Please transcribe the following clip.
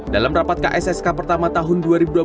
dalam rapat kssk pertama tahun dua ribu dua puluh